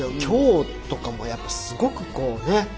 今日とかもやっぱすごくこうね